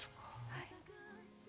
はい。